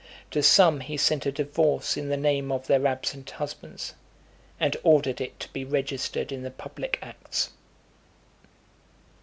To some he sent a divorce in the name of their absent husbands, and ordered it to be registered in the public acts.